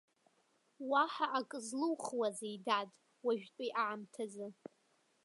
Уаҳа акы злухуазеи, дад, уажәтәи аамҭазы.